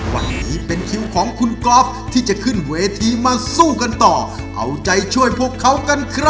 วันนี้เป็นคิวของคุณก๊อฟที่จะขึ้นเวทีมาสู้กันต่อเอาใจช่วยพวกเขากันครับ